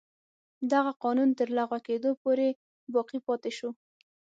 دغه قانون تر لغوه کېدو پورې باقي پاتې شو.